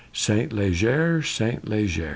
Saint Leger, Saint Leger.